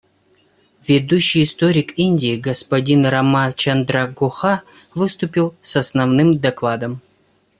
Ведущий историк Индии, господин Рамачандра Гуха, выступил с основным докладом.